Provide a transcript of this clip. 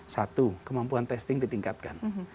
satu kemampuan testing ditingkatkan